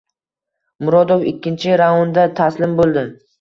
Murodov ikkinchi raundda taslim bo‘ldi